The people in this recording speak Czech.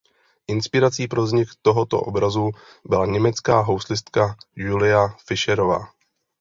Inspirací pro vznik tohoto obrazu byla německá houslistka Julia Fischerová.